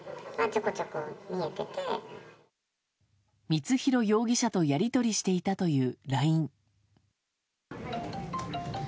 光弘容疑者とやり取りしていたというＬＩＮＥ。